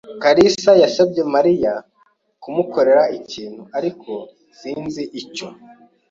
kalisa yasabye Mariya kumukorera ikintu, ariko sinzi icyo.